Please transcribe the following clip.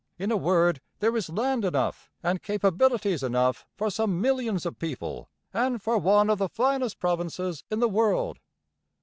In a word, there is land enough and capabilities enough for some millions of people and for one of the finest provinces in the world.'